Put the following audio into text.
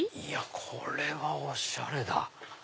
これはおしゃれだ。